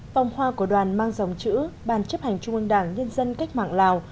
phong hoa của đoàn mang dòng chữ bàn chấp hành trung ương đảng nhân dân cách mạng lào